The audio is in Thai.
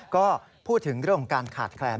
ก็พูดถึงเรื่องขาดแคลน